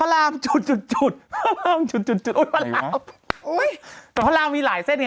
รู้หมดแล้วเหรอ